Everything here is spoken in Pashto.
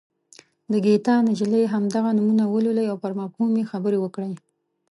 د ګیتا نجلي همدغه نمونه ولولئ او پر مفهوم یې خبرې وکړئ.